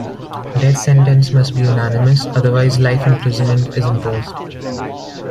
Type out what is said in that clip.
Death sentence must be unanimous, otherwise life imprisonment is imposed.